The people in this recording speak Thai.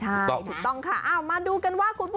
ใช่ถูกต้องค่ะมาดูกันว่า